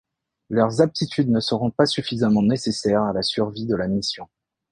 Leurs aptitudes ne seront pas suffisamment nécessaires à la survie de la mission.